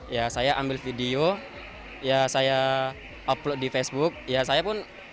ya saya ambil video ya saya upload di facebook ya saya pun